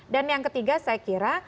dan yang ketiga saya kira